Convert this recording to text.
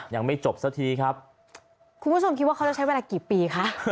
ยังไม่จบสักทีครับคุณผู้ชมคิดว่าเขาจะใช้เวลากี่ปีคะ